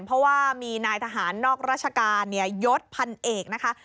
เพราะว่ามีนายทหารนอกราชการยดพันเอกนะคะ